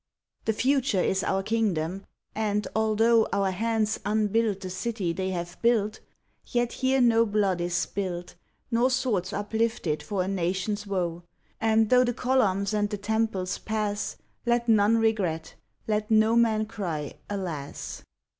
The future is our kingdom, and, altho Our hands unbuild the city they have built, Yet here no blood is spilt Nor swords uplifted for a nation s woe. And, tho the columns and the temples pass, Let none regret; let no man cry "Alas!"